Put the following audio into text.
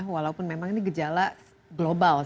walaupun memang ini gejala global